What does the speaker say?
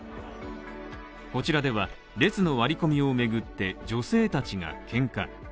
こちらでは列の割り込みを巡って女性たちがけんか。